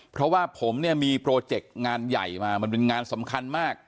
เพราะว่าผมเนี่ยมีโปรเจกต์งานใหญ่มามันเป็นงานสำคัญมาก